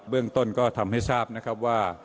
เรื่องต้นก็ทำให้ทราบนะครับว่า